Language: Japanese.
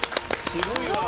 すごいわ。